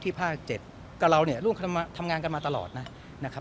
ที่ภาคเจ็ดกับเราเนี่ยร่วมข้อมอบทำงานกันมาตลอดนะนะครับ